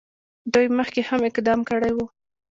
دوی مخکې هم اقدام کړی وو.